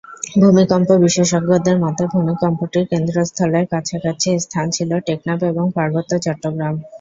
ভূমিকম্প বিশেষজ্ঞদের মতে, ভূমিকম্পটির কেন্দ্রস্থলের কাছাকাছি স্থান ছিল টেকনাফ এবং পার্বত্য চট্টগ্রাম।